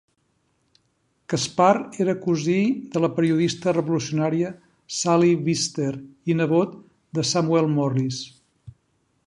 Caspar era cosí de la periodista revolucionària Sally Wister i nebot de Samuel Morris.